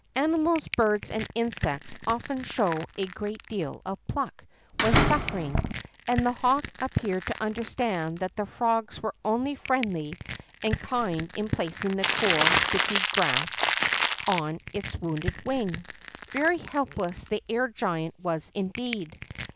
Animals, birds, and insects often show a great deal of pluck when suffering, and the hawk ap peared to understand that the frogs were only friendly and kind in placing the cool, sticky grass on its wounded witjg. Very helpless the air giant was indeed.